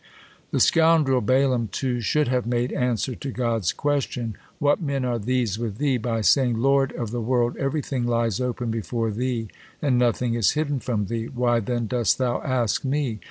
The scoundrel Balaam, too, should have made answer to God's question, "What men are these with thee?" by saying, "Lord of the world! Everything lies open before Thee, and nothing is hidden from Thee, why then dost Thou ask me?"